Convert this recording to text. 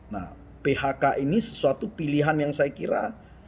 nah phk ini sesuatu pilihan yang saya kira